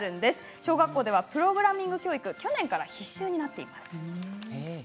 小学校ではプログラミング教育が去年から必修になっています。